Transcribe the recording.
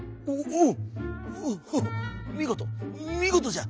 「おおみごとみごとじゃ！